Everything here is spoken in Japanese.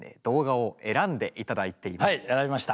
はい選びました。